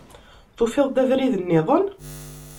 Tufiḍ-d abrid-nniḍen?